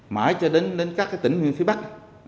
mãi cho đến các tỉnh huyện phía bắc